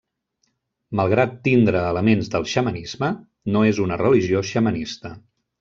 Malgrat tindre elements del xamanisme, no és una religió xamanista.